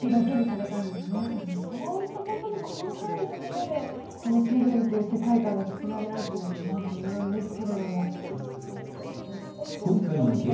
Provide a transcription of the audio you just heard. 何かそういったほんとに細かいところでこの「７」っていう世界観が作り上げられてるのかなと思うんですけれども。